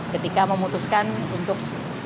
ketika memutuskan untuk